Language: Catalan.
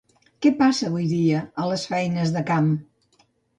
Què passa avui dia a les feines de camp?